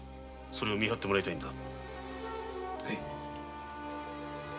それを見張ってもらいたいんだ。